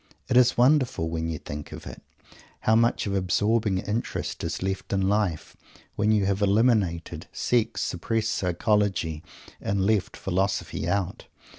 It is wonderful when you think of it how much of absorbing interest is left in life, when you have eliminated "sex," suppressed "psychology," and left philosophy out!